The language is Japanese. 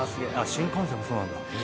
新幹線もそうなんだ。